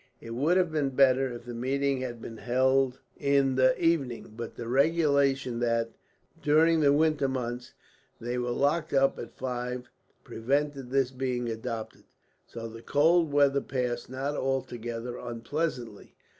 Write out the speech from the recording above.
It would have been better if the meeting had been held in the evening; but the regulation that, during the winter months, they were locked up at five, prevented this being adopted. So the cold weather passed not altogether unpleasantly.